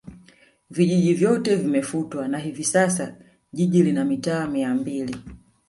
Vijiji vyote vimefutwa na hivi sasa Jiji lina mitaa Mia mbili